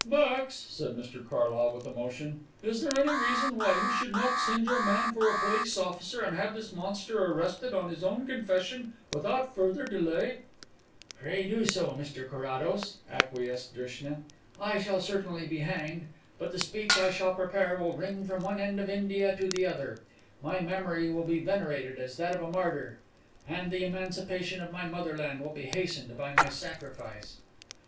"Max," said Mr Carlyle, with emotion, "is there any reason why you should not send your man for a police officer and have this monster arrested on his own confession without further delay?" "Pray do so, Mr Carrados," acquiesced Drishna. "I shall certainly be hanged, but the speech I shall prepare will ring from one end of India to the other; my memory will be venerated as that of a martyr; and the emancipation of my motherland will be hastened by my sacrifice."